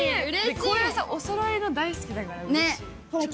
こういうさおそろいの大好きだからうれしい。